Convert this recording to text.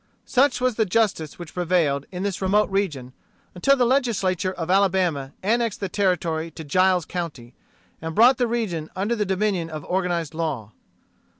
Such was the justice which prevailed, in this remote region, until the Legislature of Alabama annexed the territory to Giles County, and brought the region under the dominion of organized law.